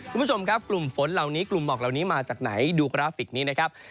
คุณผู้ชมครับกลุ่มฝนเหล่านี้กลุ่มหมอกเหล่านี้มาจากไหนดูกราฟิกนี้นะครับ